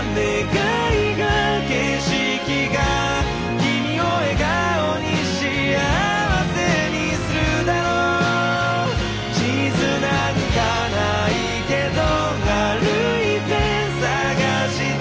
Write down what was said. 「君を笑顔に幸せにするだろう」「地図なんかないけど歩いて探して」